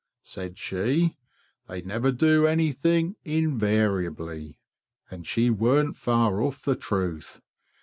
Said she, 'They never do anything invariably'; and she warn't far off the truth.